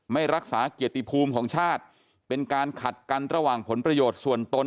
ไม่รักษาเกียรติภูมิของชาติเป็นการขัดกันระหว่างผลประโยชน์ส่วนตน